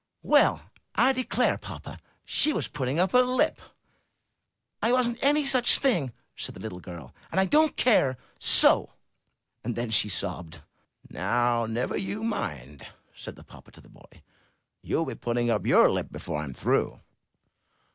''Well, I declare, papa, she was putting up her lip." ''I wasn't any such thing!" said the little girl. ''And I don't care ! So !" and then she sobbed. "Now, never you mind," said the papa to the boy. "You'll be putting up your lip before I'm through.